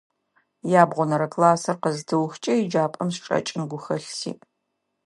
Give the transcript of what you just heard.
Ябгъонэрэ классыр къызытыухыкӀэ еджапӀэм сычӀэкӀын гухэлъ сиӀ.